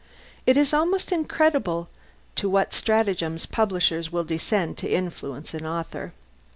It is almost incredible to what stratagems publishers will descend to influence an author.